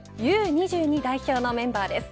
２２代表のメンバーです。